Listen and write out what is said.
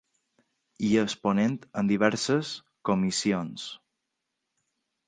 I és ponent en diverses comissions.